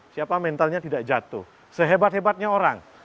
siapa mentalnya tidak jatuh sehebat hebatnya orang